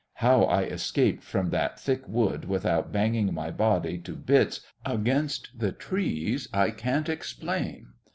How I escaped from that thick wood without banging my body to bits against the trees I can't explain.